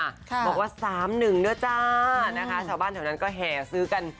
บอกว่า๓๑ด้วยจ้านะคะชาวบ้านแถวนั้นก็แห่ซื้อกัน